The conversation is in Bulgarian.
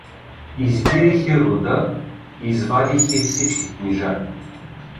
издирих и рода, извадих й всички книжа.